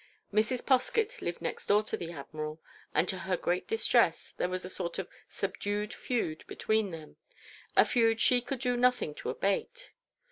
Mrs. Poskett lived next door to the Admiral, and to her great distress there was a sort of subdued feud between them; a feud she could do nothing to abate.